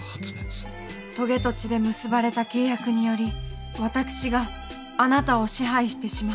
とげと血で結ばれた契約により私があなたを支配してしまう。